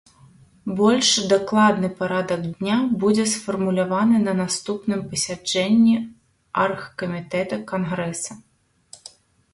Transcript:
Больш дакладны парадак дня будзе сфармуляваны на наступным пасяджэнні аргкамітэта кангрэса.